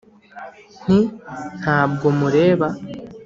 Nti: ntabwo mureba